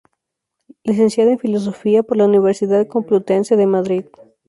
Licenciada en Filosofía por la Universidad Complutense de Madrid.